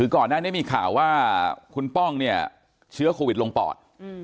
ก่อนหน้านี้มีข่าวว่าคุณป้องเนี่ยเชื้อโควิดลงปอด